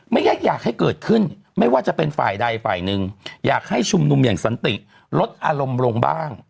อยากให้เกิดขึ้นไม่ว่าจะเป็นฝ่ายใดฝ่ายหนึ่งอยากให้ชุมนุมอย่างสันติลดอารมณ์ลงบ้าง